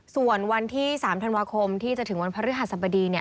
ส่วนวันที่๓ธันวาคมที่จะถึงวันพระฤหัสบดี